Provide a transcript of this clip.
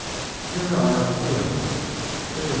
Here are three of them: (Fig.